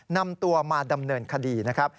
นำตัวมาดำเนินคดีนะครับ